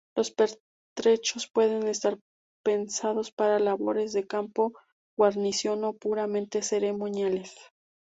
Los pertrechos pueden estar pensados para labores de campo, guarnición o puramente ceremoniales.